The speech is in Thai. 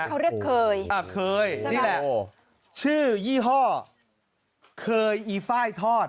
เขาเรียกเคยเคยนี่แหละชื่อยี่ห้อเคยอีไฟล์ทอด